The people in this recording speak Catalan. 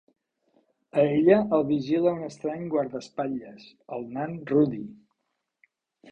A ella el vigila un estrany guardaespatlles, el nan Rudi.